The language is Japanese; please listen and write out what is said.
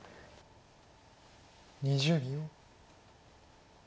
２０秒。